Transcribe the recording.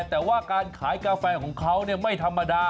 แต่ว่าการขายกาแฟของเขาไม่ธรรมดา